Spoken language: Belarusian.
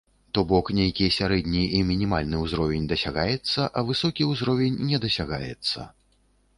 То бок, нейкі сярэдні і мінімальны ўзровень дасягаецца, а высокі ўзровень не дасягаецца.